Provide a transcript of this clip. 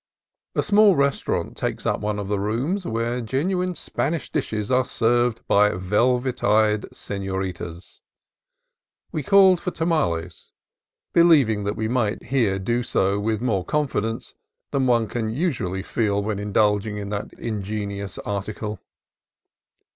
A small restaurant takes up one of the rooms, where genuine Spanish dishes are served by velvet eyed senoritas. We called for tamales, believing that we might here do so with more confidence than one can usually feel when indulging in that ingenious article.